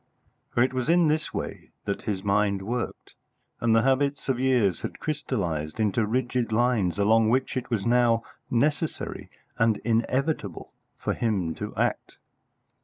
For it was in this way that his mind worked, and the habits of years had crystallised into rigid lines along which it was now necessary and inevitable for him to act.